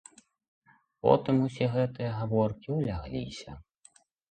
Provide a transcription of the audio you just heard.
Потым усе гэтыя гаворкі ўлягліся.